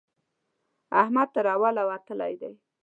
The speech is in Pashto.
احمد تر اول وتلی دی.